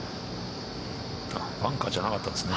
バンカーじゃなかったんですね。